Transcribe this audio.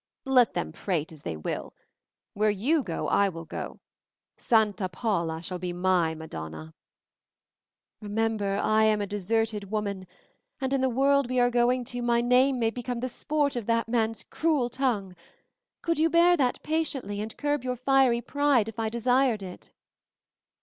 "Let them prate as they will. Where you go I will go; Santa Paula shall be my madonna!" "Remember, I am a deserted woman, and in the world we are going to my name may become the sport of that man's cruel tongue. Could you bear that patiently; and curb your fiery pride if I desired it?"